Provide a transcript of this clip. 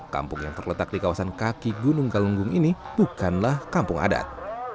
kampung yang terletak di kawasan kaki gunung kalunggung ini bukanlah kampung adat